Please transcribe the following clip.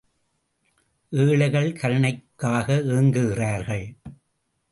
ஏழைகள் கருணைக்காக ஏங்குகிறார்கள்.